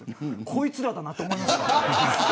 こいつらだなと思いました。